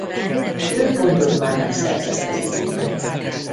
Több pontot már nem szerzett az idényben.